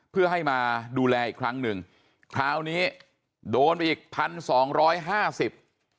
เพื่อให้มาดูแลอีกครั้งหนึ่งคราวนี้โดนไปอีกพันสองร้อยห้าสิบ